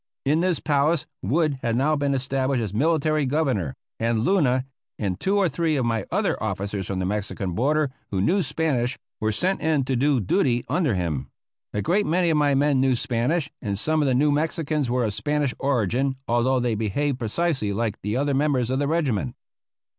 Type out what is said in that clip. In this palace Wood had now been established as military governor, and Luna, and two or three of my other officers from the Mexican border, who knew Spanish, were sent in to do duty under him. A great many of my men knew Spanish, and some of the New Mexicans were of Spanish origin, although they behaved precisely like the other members of the regiment.